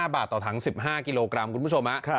บาทต่อถัง๑๕กิโลกรัมคุณผู้ชม